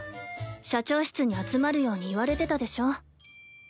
社長室に集まるように言われてたでしょ。